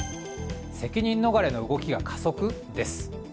責任逃れの動きが加速？です。